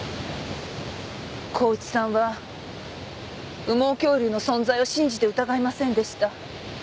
孝一さんは羽毛恐竜の存在を信じて疑いませんでした。